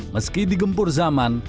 meski digempur zaman